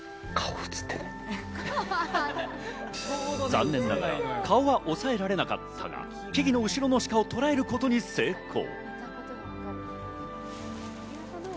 残念ながら顔はおさえられなかったが、木々の後ろのシカをとらえることに成功。